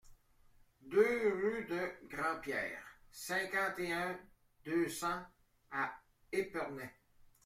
deux rue de Grandpierre, cinquante et un, deux cents à Épernay